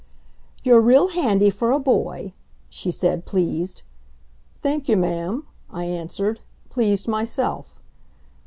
"You're real handy for a boy," she said, pleased. "Thank you, ma'am," I answered, pleased myself.